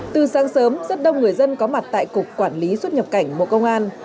từ sáng sớm rất đông người dân có mặt tại cục quản lý xuất nhập cảnh bộ công an